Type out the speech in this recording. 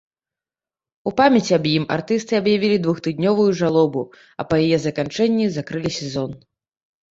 У памяць аб ім артысты аб'явілі двухтыднёвую жалобу, а па яе заканчэнні закрылі сезон.